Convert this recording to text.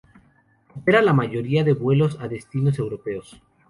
Opera la mayoría de vuelos a destinos europeos.